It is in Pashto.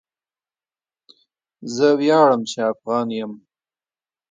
زه ویاړم چې افغان یم.